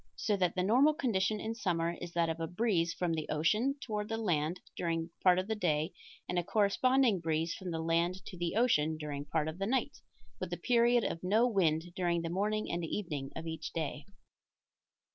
So that the normal condition in summer is that of a breeze from the ocean toward the land during part of the day and a corresponding breeze from the land to the ocean during part of the night, with a period of no wind during the morning and evening of each day.